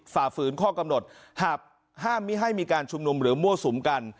ฝ่าฝืนข้อกำหนดหากห้ามไม่ให้มีการชุมนุมหรือมั่วสุมกัน